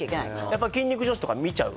やっぱり筋肉女子とか見ちゃう？